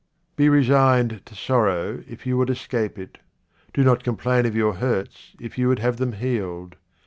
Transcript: Be resigned to sorrow if you would escape it. Do not complain of your hurts if you would have them healed.